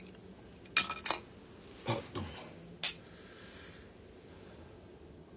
あっどうも。